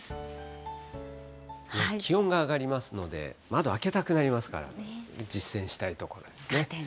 気温が上がりますので、窓開けたくなりますから、実践したいところですね。